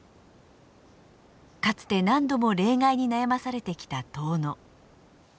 かつて何度も冷害に悩まされてきた遠野。